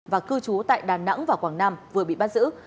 và cư trú tại đà nẵng và quảng nam vừa bị bắt giữ